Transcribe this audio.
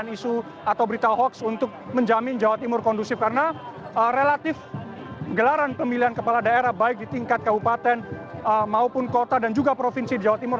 mereka hanya berkonsentrasi untuk menjaga keamanan di jawa timur